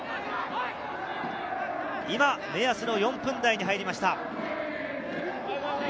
目安の４分台に入りました。